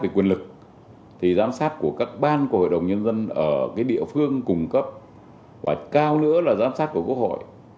vì quyền lực thì giám sát của các ban của hội đồng nhân dân ở cái địa phương cung cấp hoặc cao nữa là giám sát của quốc hội